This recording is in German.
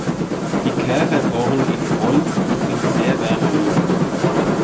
Die Käfer bohren in Holz und sind sehr wärmeliebend.